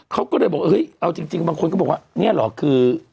เขาก็เลยบอกเฮ้ยเอาจริงบางคนก็บอกว่าเนี่ยเหรอคือ